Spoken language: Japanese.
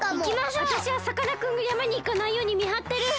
わたしはさかなクンがやまにいかないようにみはってる！